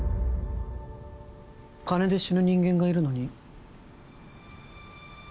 金で死ぬ人間がいるのに？